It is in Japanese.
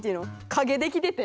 影できてて。